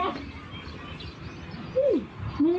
มามึงขับไว้ด้วยสิ